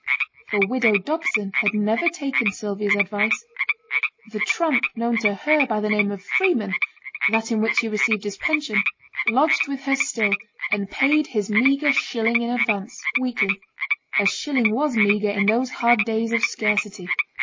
For widow Dobson had never taken Sylvia's advice. The tramp known to her by the name of Freeman that in which he received his pension lodged with her still, and paid his meagre shilling in advance, weekly. A shilling was meagre in those hard days of scarcity.